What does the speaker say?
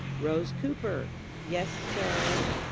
"Rose Cooper."... "Yes, sir."